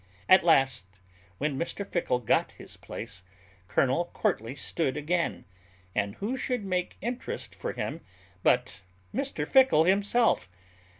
At last, when Mr Fickle got his place, Colonel Courtly stood again; and who should make interest for him but Mr Fickle himself!